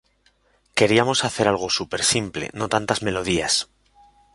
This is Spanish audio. Queríamos hacer algo super simple, no tantas melodías.